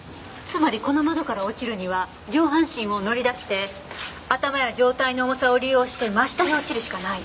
つまりこの窓から落ちるには上半身を乗り出して頭や上体の重さを利用して真下に落ちるしかない。